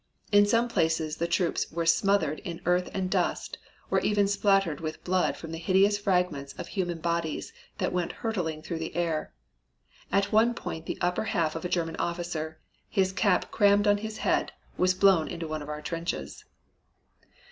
In some places the troops were smothered in earth and dust or even spattered with blood from the hideous fragments of human bodies that went hurtling through the air. At one point the upper half of a German officer, his cap crammed on his head, was blown into one of our trenches.